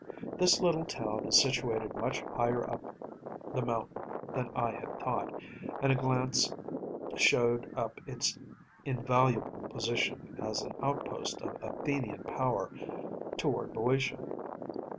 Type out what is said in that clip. This little town is situated much higher up the mountain than I had thought, and a glance showed us its invaluable position as an outpost of Athenian power toward BŇďotia.